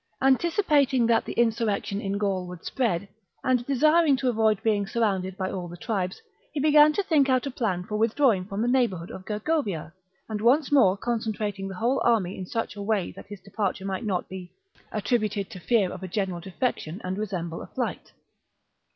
Antici Anxiety of pating that the insurrection in Gaul would spread, and desiring to avoid being surrounded by all the tribes, he began to think out a plan for withdraw ing from the neighbourhood of Gergovia and once more concentrating the whole army in such a way that his departure might not be attributed to fear of a general defection and resemble a flight.